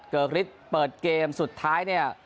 เกอร์กริสต์เปิดเกมสุดท้ายเนี้ย